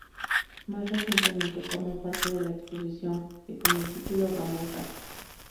Más recientemente formó parte de la exposición que, con el título "Ramon Casas.